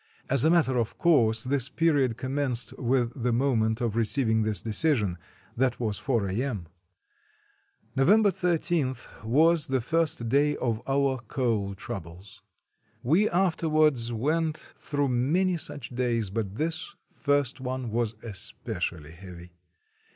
As a matter of course, this period commenced with the moment of receiving this decision ; that was 4 a.m. November 13 was the first day of our "coal troubles." We afterwards went through many such days, but this first one was especially heavy.